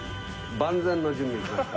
万全の準備をしました。